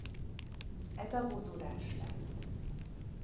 Ez a Voodoo Rush lett.